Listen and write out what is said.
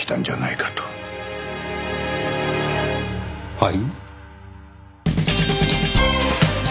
はい？